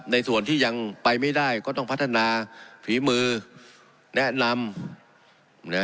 ในส่วนที่ยังไปไม่ได้ก็ต้องพัฒนาฝีมือแนะนำนะ